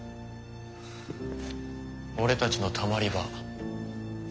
俺たちのたまり場。